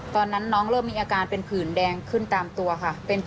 ตอนนั้นน้องเริ่มมีอาการเป็นผื่นแดงขึ้นตามตัวค่ะ